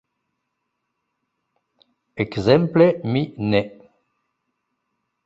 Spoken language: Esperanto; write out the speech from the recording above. Ekzemple mi ne.